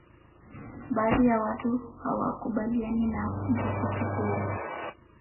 baadhi ya watu hawakubaliana na mtafiti huyo